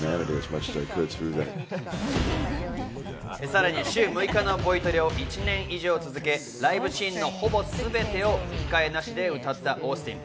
さらに週６日のボイトレを１年以上続け、ライブシーンのほぼすべてを吹き替えなしで歌ったオースティン。